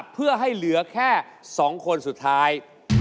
เพื่อให้เหลือแค่๒คนสุดท้าย